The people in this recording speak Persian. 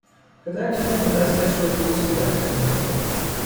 پدر کف دو دستش را روی صورتش میگذارد